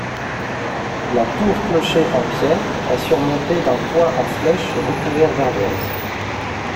La tour-clocher en pierre est surmontée d'un toit en flèche recouvert d'ardoise.